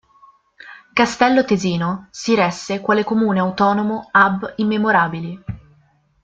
Castello Tesino si resse quale comune autonomo "ab immemorabili".